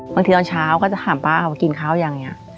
ตอนเช้าก็จะถามป้าเขากินข้าวอย่างนี้